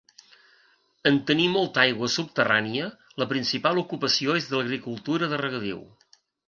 En tenir molta aigua subterrània la principal ocupació és l'agricultura de regadiu.